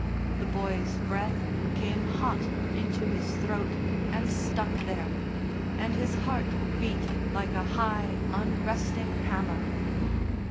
The boy's breath came hot into his throat and stuck there, and his heart beat like a high, unresting hammer.